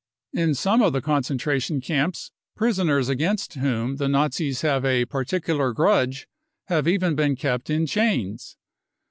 In some of the concentration camps prisoners against whom the Nazis have a particular grudge have even been kept in chains.